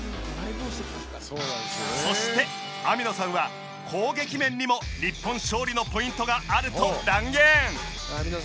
そして、網野さんは攻撃面にも日本勝利のポイントがあると断言。